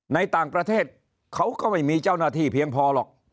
ในต่างประเทศเขาก็ไม่มีเจ้าหน้าที่เพียงพอหรอก